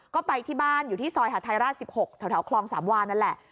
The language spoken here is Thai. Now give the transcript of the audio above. ก็ไปที่บ้านอยู่ที่ซอยหาดไทยราช๑๖แถวคลองสามวานนั่นแหละ